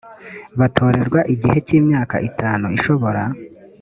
batorerwa igihe cy imyaka itatu ishobora